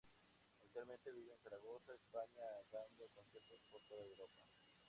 Actualmente vive en Zaragoza, España dando conciertos por toda Europa.